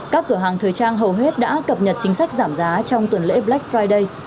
các cửa hàng thời trang hầu hết đã cập nhật chính sách giảm giá trong tuần lễ black friday